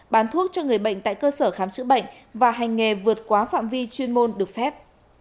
bán thuốc cho người bệnh tại cơ sở khám chữa bệnh và hành nghề vượt quá phạm vi chuyên môn được phép